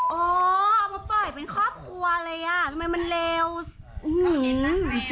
โอ้เอามาปล่อยเป็นครอบครัวเลยอ่ะทำไมมันเลวอื้อหืออีจังเฮ้ย